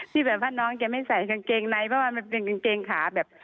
แบบว่าน้องจะไม่ใส่กางเกงในเพราะว่ามันเป็นกางเกงขาแบบ